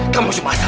kamu cuma asal